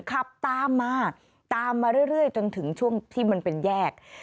ขับตามมาตามมาเรื่อยจนถึงช่วงที่มันเป็นแยก